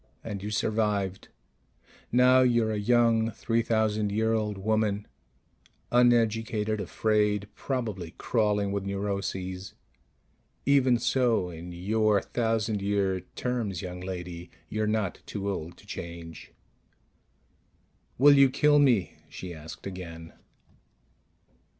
And you survived. Now you're a young three thousand year old woman ... uneducated, afraid, probably crawling with neuroses. Even so, in your thousand year terms, young lady, you're not too old to change._ "Will you kill me?" she asked again.